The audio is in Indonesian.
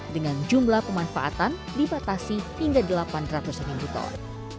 dengan jumlah pemanfaatan dipatasi hingga delapan ratus mili ton